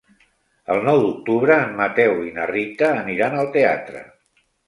El nou d'octubre en Mateu i na Rita aniran al teatre.